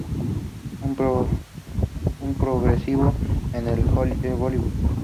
Una progresión en el Bollywood.